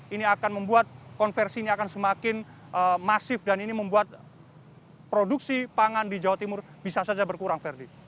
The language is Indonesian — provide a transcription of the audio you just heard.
ini akan membuat konversi ini akan semakin masif dan ini membuat produksi pangan di jawa timur bisa saja berkurang verdi